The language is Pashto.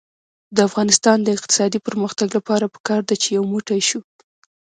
د افغانستان د اقتصادي پرمختګ لپاره پکار ده چې یو موټی شو.